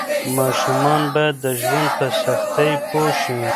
ماشومان باید د ژوند په سختۍ پوه شي.